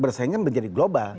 bersaingnya menjadi global